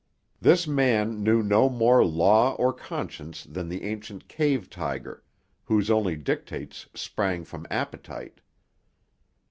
This man knew no more law or conscience than the ancient cave tiger, whose only dictates sprang from appetite.